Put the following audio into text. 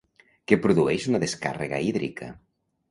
Que produeix una descàrrega hídrica.